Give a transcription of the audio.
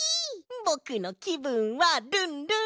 ぼくのきぶんはルンルン！